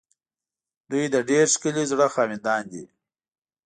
دوی د ډېر ښکلي زړه خاوندان دي.